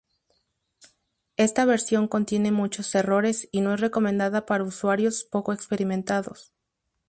Esta versión contiene muchos errores y no es recomendada para usuarios poco experimentados.